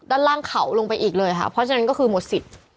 ด้านล่างเขาลงไปอีกเลยค่ะเพราะฉะนั้นก็คือหมดสิทธิ์